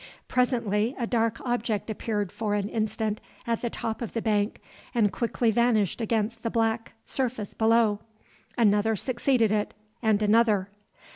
Presently a dark object appeared for an instant at the top of the bank and quickly vanished against the black surface below. Another succeeded it, and another.